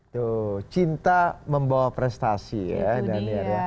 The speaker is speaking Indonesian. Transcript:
tuh cinta membawa prestasi ya daniar ya